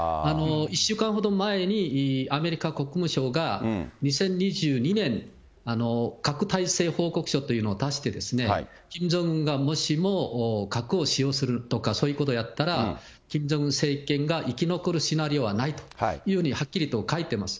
１週間ほど前にアメリカ国務省が、２０２２年核たいせい報告書というのを出して、キム・ジョンウンがもしも核を使用するとか、そういうことをやったら、キム・ジョンウン政権が生き残るシナリオはないというように、はっきりと書いてます。